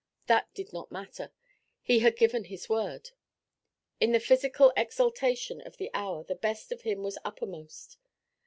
That did not matter; he had given his word. In the physical exaltation of the hour the best of him was uppermost.